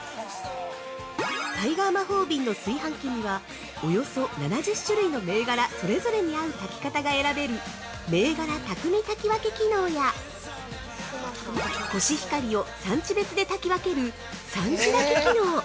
タイガー魔法瓶の炊飯器にはおよそ７０種類の銘柄それぞれに合う炊き方が選べる銘柄巧み炊きわけ機能やコシヒカリを産地別で炊き分ける産地炊き機能。